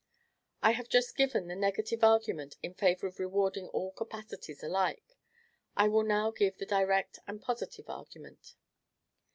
I have just given the negative argument in favor of rewarding all capacities alike; I will now give the direct and positive argument.